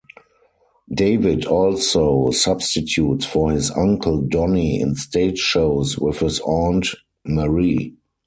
David also substitutes for his uncle Donny in stage shows with his aunt Marie.